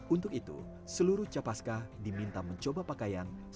untuk itu seluruh capaskan diminta mencoba pakaiannya